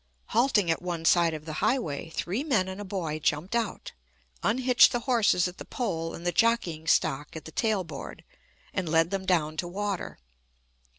Halting at one side of the highway, three men and a boy jumped out, unhitched the horses at the pole and the jockeying stock at the tail board, and led them down to water.